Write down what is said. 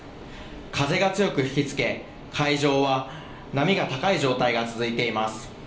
風が強く吹きつけ海上は波が高い状態が続いています。